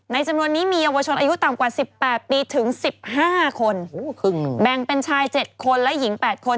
จำนวนนี้มีเยาวชนอายุต่ำกว่า๑๘ปีถึง๑๕คนแบ่งเป็นชาย๗คนและหญิง๘คน